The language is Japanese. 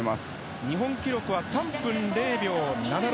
日本記録は３分０秒７６。